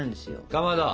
かまど！